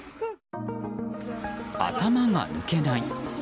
頭が抜けない。